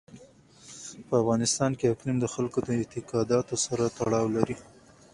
په افغانستان کې اقلیم د خلکو د اعتقاداتو سره تړاو لري.